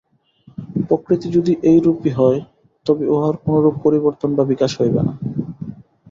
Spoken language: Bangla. প্রকৃতি যদি এইরূপই হয়, তবে উহার কোনরূপ পরিবর্তন বা বিকাশ হইবে না।